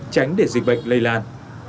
tránh để dịch bệnh lây lan